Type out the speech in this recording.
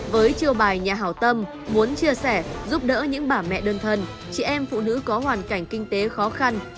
với chiêu bài nhà hào tâm muốn chia sẻ giúp đỡ những bà mẹ đơn thân chị em phụ nữ có hoàn cảnh kinh tế khó khăn